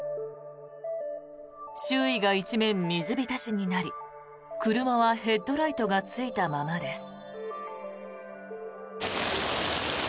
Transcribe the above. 周囲が一面、水浸しになり車はヘッドライトがついたままです。